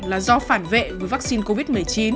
là do phản vệ với vắc xin covid một mươi chín